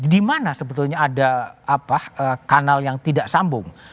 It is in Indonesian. di mana sebetulnya ada kanal yang tidak sambung